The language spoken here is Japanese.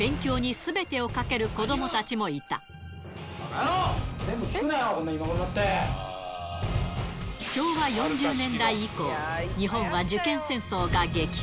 全部聞くなよ、昭和４０年代以降、日本は受験戦争が激化。